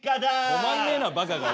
止まんねえなばかがよ。